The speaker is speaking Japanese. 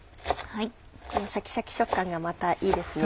シャキシャキ食感がまたいいですね。